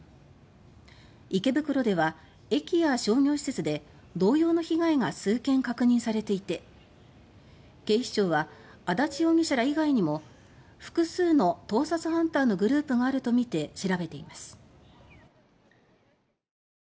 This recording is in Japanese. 池袋では、駅や商業施設で同様の被害が数件確認されていて警視庁は足立容疑者ら以外にも複数の「盗撮ハンター」のグループがあるとみて調べています。